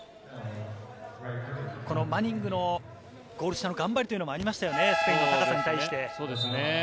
このマニングのゴール下の頑張りというのもありましたよね、スペインの高さに対して。